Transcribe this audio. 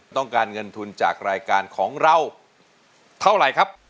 ต้องการเงินทุนจากรายการของเราเท่าไหร่ครับ